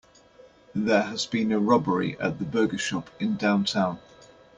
There has been a robbery at the burger shop in downtown.